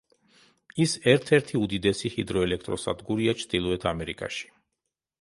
ის ერთ-ერთი უდიდესი ჰიდროელექტროსადგურია ჩრდილოეთ ამერიკაში.